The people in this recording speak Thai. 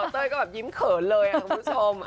เต้ยก็แบบยิ้มเขินเลยคุณผู้ชม